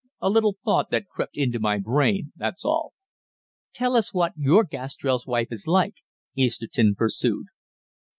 A little thought that crept into my brain, that's all." "Tell us what your Gastrell's wife is like," Easterton pursued.